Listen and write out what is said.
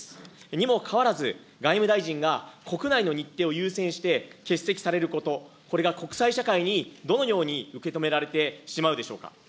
にもかかわらず、外務大臣が国内の日程を優先して欠席されること、これが国際社会にどのように受け止められてしまうでしょうか。